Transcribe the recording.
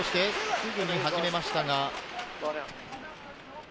すぐに始めましたが。